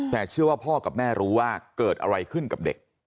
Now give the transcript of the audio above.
แต่เชื่อว่าพ่อกับแม่รู้ว่าเกิดอะไรขึ้นกับเด็ก